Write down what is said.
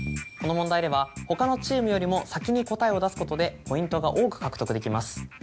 この問題では他のチームよりも先に答えを出すことでポイントが多く獲得できます。